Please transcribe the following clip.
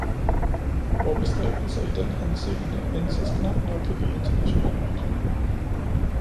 Vore bestræbelser i den henseende ænses knap nok i de internationale medier.